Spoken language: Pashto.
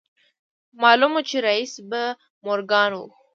معلومه وه چې رييس به مورګان و.